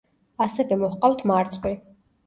ასევე მოჰყავთ მარწყვი.